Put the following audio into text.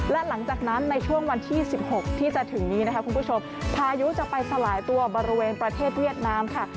และหลังจากนั้นในช่วงวันที่๑๖ที่จะถึงนี้นะคะคุณผู้ชมพายุจะไปสลายตัวบริเวณประเทศเวียดนามค่ะ